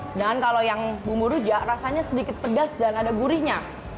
sedangkan kalau yang bumbu rujak rasanya sedikit pedas dan ada gurihnya